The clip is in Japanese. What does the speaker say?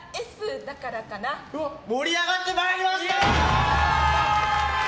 盛り上がってまいりました！